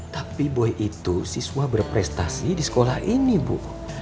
tapi boy itu siswa berprestasi di sekolah ini bu